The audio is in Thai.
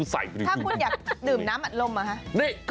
ถ้าคุณอยากดื่มน้ำหมาดลมอะไรหรือ